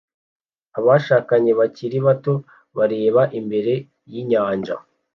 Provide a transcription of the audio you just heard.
abashakanye bakiri bato bareba imbere yinyanja